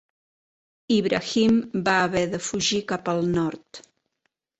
Ibrahim va haver de fugir cap al nord.